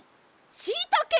しいたけ！